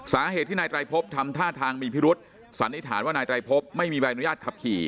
สาเหตุที่นายไตรพบทำท่าทางมีพิรุษสันนิษฐานว่านายไตรพบไม่มีใบอนุญาตขับขี่